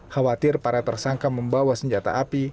khawatir para tersangka membawa senjata api